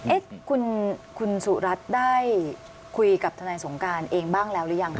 เอ๊ะคุณสุรัตน์ได้คุยกับทนายสงการเองบ้างแล้วหรือยังค